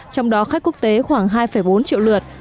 trong đó khách quốc tế khoảng hai bốn triệu lượt